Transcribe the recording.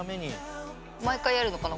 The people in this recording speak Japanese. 毎回やるのかな？